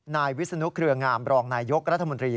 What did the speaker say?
นายวิศนุเครืองามรองนายยกรัฐมนตรี